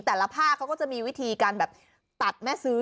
แต่ละภาคเขาก็จะมีวิธีการแบบตัดแม่ซื้อ